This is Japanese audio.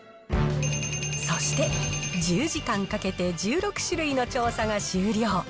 そして、１０時間かけて、１６種類の調査が終了。